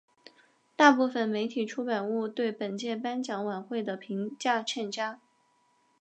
大部分媒体出版物对本届颁奖晚会的评价欠佳。